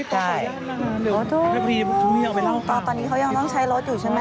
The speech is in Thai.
เดี๋ยวตอนนี้เขายังต้องใช้รถอยู่ใช่ไหม